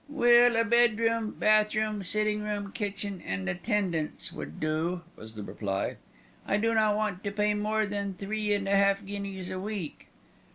"Well, a bedroom, bath room, sitting room, kitchen and attendance, would do," was the reply. "I do not want to pay more than three and a half guineas a week."